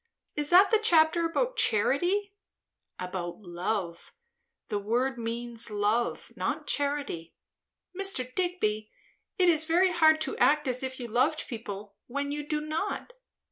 "Is that the chapter about charity?" "About love. The word means love, not charity." "Mr. Digby, it is very hard to act as if you loved people, when you do not."